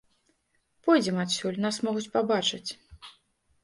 Пойдзем адсюль, нас могуць пабачыць.